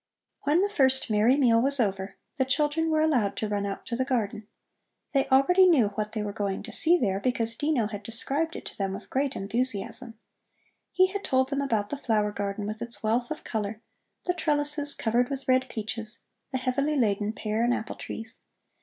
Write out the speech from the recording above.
When the first merry meal was over, the children were allowed to run out to the garden. They already knew what they were going to see there, because Dino had described it to them with great enthusiasm. He had told them about the flower garden with its wealth of color, the trellises, covered with red peaches, the heavily laden pear and apple trees.